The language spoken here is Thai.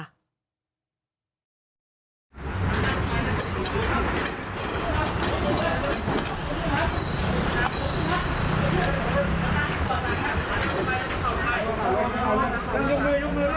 ยกมือ